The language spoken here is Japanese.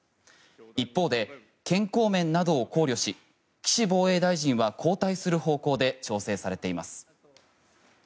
一方で健康面などを考慮し岸防衛大臣は交代する方向で調整されています。